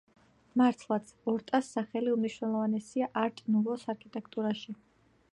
მართლაც, ორტას სახელი უმნიშვნელოვანესია არტ-ნუვოს არქიტექტურაში.